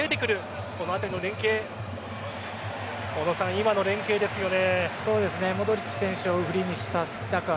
今の連携ですよね。